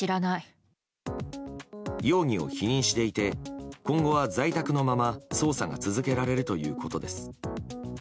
容疑を否認していて今後は在宅のまま捜査が続けられるということです。